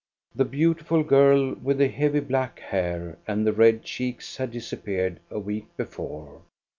The beautiful girl with the heavy, black hair and the red cheeks had disappeared a week before.